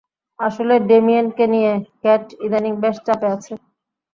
আসলে, ডেমিয়েনকে নিয়ে ক্যাট ইদানিং বেশ চাপে আছে।